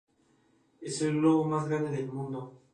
Es el globo más grande del mundo.